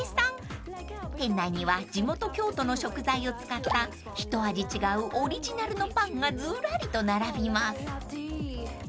［店内には地元京都の食材を使った一味違うオリジナルのパンがずらりと並びます］